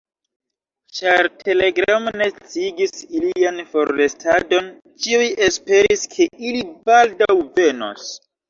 Ĉar telegramo ne sciigis ilian forrestadon, ĉiuj esperis, ke ili baldaŭ venos.